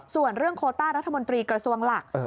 ส่วนเรื่องโคต้ารัฐมนตรีกระทรวงหลัก